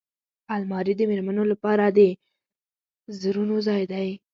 الماري د مېرمنو لپاره د زرونو ځای دی